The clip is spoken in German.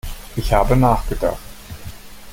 Ich habe nachgedacht.